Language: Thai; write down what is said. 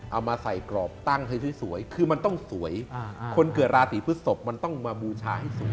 เอามาใส่กรอบตั้งให้สวยคือมันต้องสวยคนเกิดราศีพฤศพมันต้องมาบูชาให้สวย